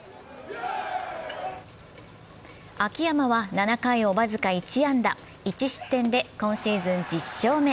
秋山は７回を僅か１安打１失点で今シーズン１０勝目。